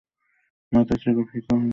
মাথায় ছিল ফিকা হলুদ রঙের পাগড়ি।